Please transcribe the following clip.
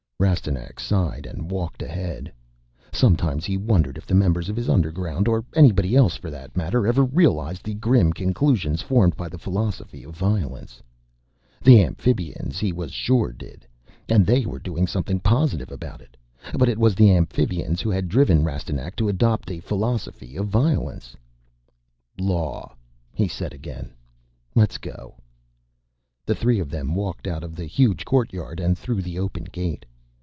Rastignac sighed and walked ahead. Sometimes he wondered if the members of his underground or anybody else for that matter ever realized the grim conclusions formed by the Philosophy of Violence. The Amphibians, he was sure, did. And they were doing something positive about it. But it was the Amphibians who had driven Rastignac to adopt a Philosophy of Violence. "Law," he said again. "Let's go." The three of them walked out of the huge courtyard and through the open gate.